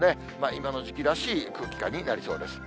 今の時期らしい空気感になりそうです。